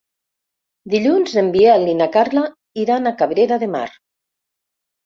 Dilluns en Biel i na Carla iran a Cabrera de Mar.